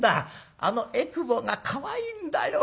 あのえくぼがかわいいんだよ。